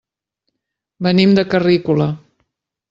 Venim de Carrícola.